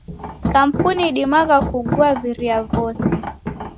Kampuni idimagha kugua viria vose.